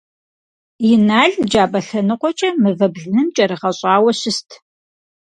Инал джабэ лъэныкъуэкӀэ мывэ блыным кӀэрыгъэщӀауэ щыст.